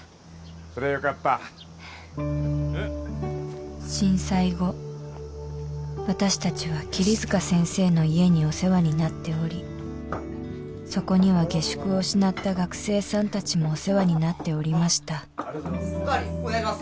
そりゃよかった震災後私達は桐塚先生の家にお世話になっておりそこには下宿を失った学生さん達もお世話になっておりましたおかわりお願いします